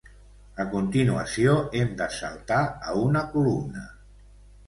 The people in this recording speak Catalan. A continuació, hem de saltar a una columna.